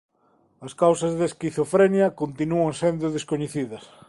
As causas da esquizofrenia continúan sendo descoñecidas.